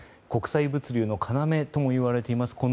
国際物流の要ともいわれています